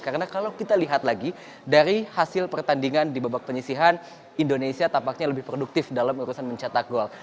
karena kalau kita lihat lagi dari hasil pertandingan di babak penyisihan indonesia tampaknya lebih produktif dalam urusan mencatat gol